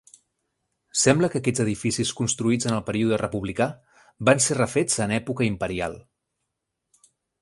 Sembla que aquests edificis construïts en el període republicà van ser refets en època imperial.